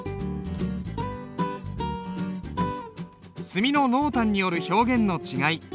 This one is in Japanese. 墨の濃淡による表現の違い